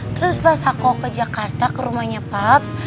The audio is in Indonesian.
terus pas aku ke jakarta ke rumahnya pak